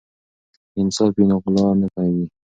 که انصاف وي نو غلا نه کیږي.